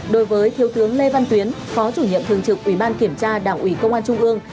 đối với thiếu tướng lê văn tuyến phó chủ nhiệm thường trực ủy ban kiểm tra đảng ủy công an trung ương